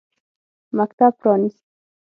مکتب پرانیست.